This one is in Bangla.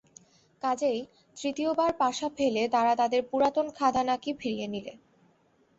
কাজেই তৃতীয়বার পাশা ফেলে তারা তাদের পুরাতন খাঁদা নাকই ফিরিয়ে নিলে।